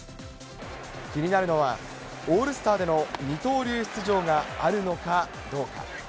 気になるのは、オールスターでの二刀流出場があるのかどうか。